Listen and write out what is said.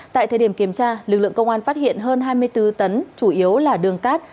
tại thời điểm kiểm tra lực lượng công an phát hiện hơn hai mươi bốn tấn chủ yếu là đường cát